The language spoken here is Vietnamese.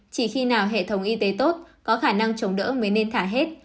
chỉ khi nào hệ thống y tế tốt có khả năng chống đỡ mới nên thả hết